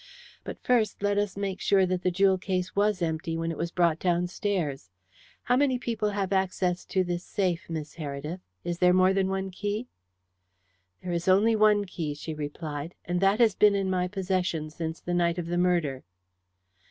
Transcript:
"But first let us make sure that the jewel case was empty when it was brought downstairs. How many people have access to this safe, Miss Heredith? Is there more than one key?" "There is only one key," she replied. "And that has been in my possession since the night of the murder."